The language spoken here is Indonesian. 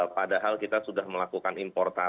padahal kita sudah melakukan impor